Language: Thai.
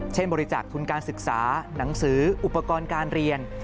บริจาคทุนการศึกษาหนังสืออุปกรณ์การเรียน